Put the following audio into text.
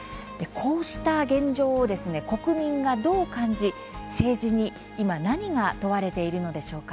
こうした現状を国民がどう感じ政治に今何が問われているのでしょうか。